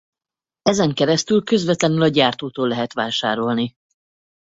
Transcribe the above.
Ezen keresztül közvetlenül a gyártótól lehet vásárolni.